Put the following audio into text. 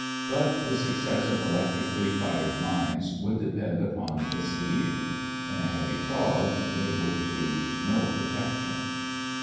But the success of electrically fired mines would depend upon the "seeing." In a heavy fog they would prove no protection.